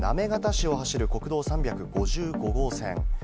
市を走る国道３５５号線。